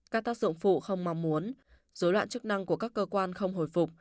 các tác dụng phụ không mong muốn dối loạn chức năng của các cơ quan không hồi phục